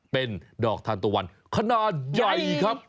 เป็นดอกทานตะวันขนาดใหญ่ครับ